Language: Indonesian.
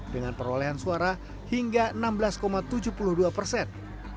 dengan perolehan suara hingga enam belas tujuh puluh dua persen